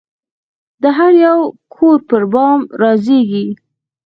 د هریو کور پربام رازیږې